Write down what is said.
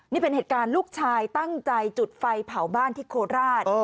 นี่เป็นเหตุการณ์ลูกชายตั้งใจจุดไฟเผาบ้านที่โคราช